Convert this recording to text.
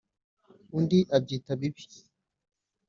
undi abyita bibi